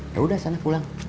yaudah sana pulang